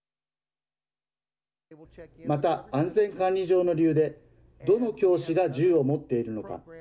また、安全管理上の理由でどの教師が銃を持っているのか。